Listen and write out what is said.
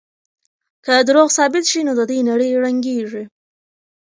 که دروغ ثابت شي نو د دوی نړۍ ړنګېږي.